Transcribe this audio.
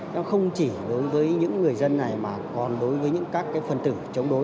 nó không chỉ đối với những người dân này mà còn đối với những các cái phần tử chống đối